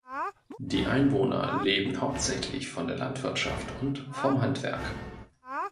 Die Einwohner leben hauptsächlich von der Landwirtschaft und vom Handwerk.